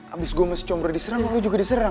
abis gue sama combro diserang lo juga diserang